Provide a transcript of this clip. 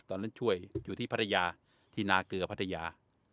ตอนนั้นช่วยอยู่ที่พัทยาทีนาเกลือพัทยา